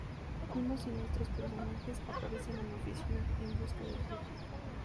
Unos siniestros personajes aparecen en la oficina, en busca del jefe.